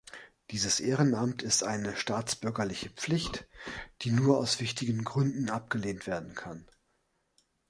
Dieses Ehrenamt ist eine staatsbürgerliche Pflicht, die nur aus wichtigen Gründen abgelehnt werden kann.